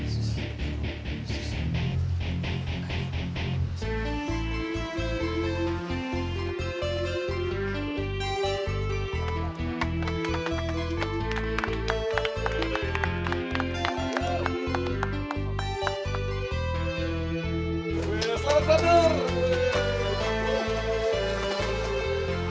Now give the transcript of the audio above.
selamat selamat dur